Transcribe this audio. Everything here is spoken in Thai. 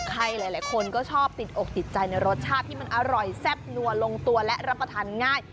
ใครหลายคนก็ชอบติดอกติดใจในรสชาติที่มันอร่อยแซ่บนัวลงตัวและรับประทานง่าย